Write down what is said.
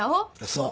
そう。